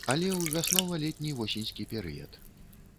Але ў вяснова-летні-восеньскі перыяд.